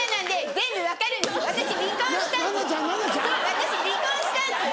私離婚したんです。